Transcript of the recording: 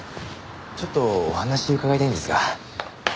ちょっとお話伺いたいんですが。